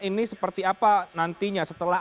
ini seperti apa nantinya setelah